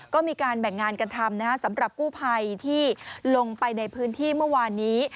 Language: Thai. ก็มีการแบ่งงานกันทำสำหรับกู้ภัยที่ลงไปในพื้นที่เมื่อวานนี้